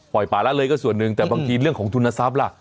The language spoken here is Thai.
ป่าละเลยก็ส่วนหนึ่งแต่บางทีเรื่องของทุนทรัพย์ล่ะ